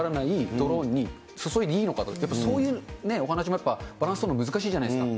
ドローンに注いでいいのかと、やっぱそういうお話もやっぱ、バランス取るの難しいじゃないですか。